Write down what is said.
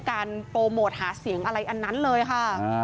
การโปรโมทหาเสียงอะไรอันนั้นเลยค่ะ